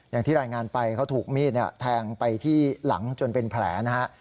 อย่างที่รายงานไปเขาถูกมีดแทงไปที่หลังจนเป็นแผลนะฮะ